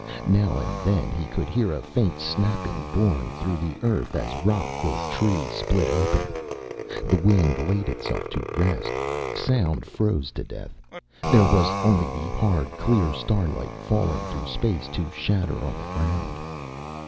Now and then he could hear a faint snapping borne through the earth as rock or tree split open. The wind laid itself to rest, sound froze to death, there was only the hard clear starlight falling through space to shatter on the ground.